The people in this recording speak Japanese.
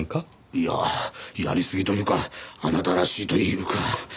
いややりすぎというかあなたらしいというか。